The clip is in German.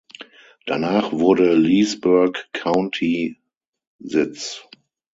Danach wurde Leesburg County-Sitz.